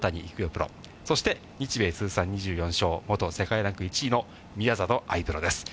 プロ、そして日米通算２４勝、元世界ランキング１位の宮里藍プロです。